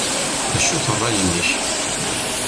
D acu-t ṛṛay-nnek?